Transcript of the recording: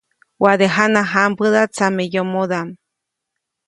Waʼade jana jãmbäda tsameyomodaʼm.